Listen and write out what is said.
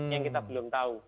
yang kita belum tahu